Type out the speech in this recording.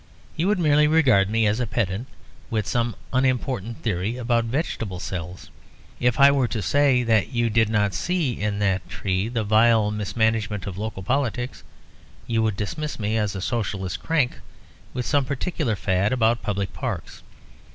You would merely regard me as a pedant with some unimportant theory about vegetable cells. If I were to say that you did not see in that tree the vile mismanagement of local politics, you would dismiss me as a Socialist crank with some particular fad about public parks.